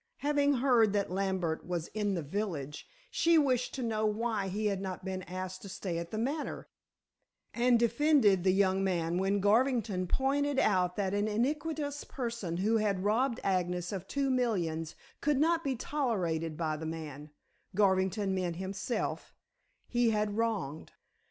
Having heard that Lambert was in the village, she wished to know why he had not been asked to stay at The Manor, and defended the young man when Garvington pointed out that an iniquitous person who had robbed Agnes of two millions could not be tolerated by the man Garvington meant himself he had wronged.